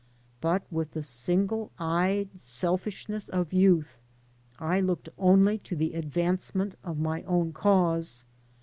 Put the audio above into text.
But with the single*eyed selfishness of youth I looked only to the advancement of my own cause.